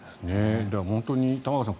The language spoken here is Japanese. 本当に玉川さん